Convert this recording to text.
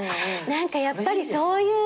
何かやっぱりそういう。